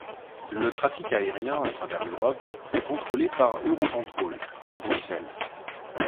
Le trafic aérien à travers l'Europe est contrôlé par Eurocontrol à Bruxelles.